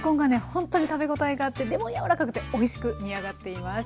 ほんとに食べ応えがあってでも柔らかくておいしく煮上がっています。